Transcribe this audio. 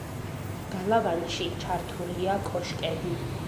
გალავანში ჩართულია კოშკები.